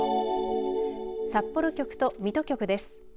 札幌局と水戸局です。